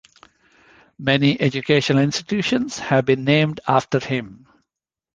Many educational institutions have been named after him.